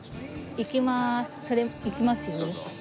いきますよ。